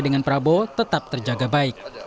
dengan prabowo tetap terjaga baik